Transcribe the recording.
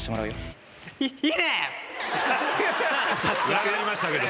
裏返りましたけど。